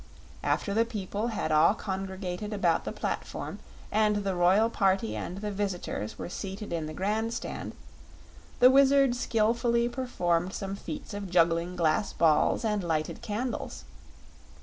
After the people had all congregated about the platform and the royal party and the visitors were seated in the grandstand, the Wizard skillfully performed some feats of juggling glass balls and lighted candles.